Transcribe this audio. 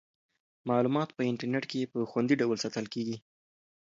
معلومات په انټرنیټ کې په خوندي ډول ساتل کیږي.